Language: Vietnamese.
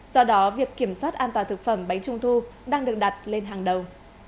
do đó việc kiểm soát an toàn thực phẩm bánh trung thu đang được đặt lên hàng đầu